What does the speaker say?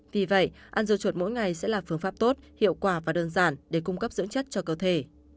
vì vậy ăn dầu chuột mỗi ngày sẽ là phương pháp tốt hiệu quả và đơn giản để cung cấp dưỡng chất cho cơ thể